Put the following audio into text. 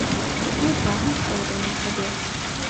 Не цягнуць коўдру на сябе.